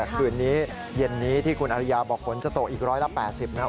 คืนนี้เย็นนี้ที่คุณอริยาบอกฝนจะตกอีกร้อยละ๘๐นะครับ